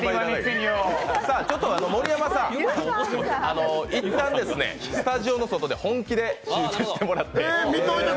盛山さん、いったん、スタジオの外で、本気で施術してもらって。